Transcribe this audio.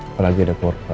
apalagi ada korban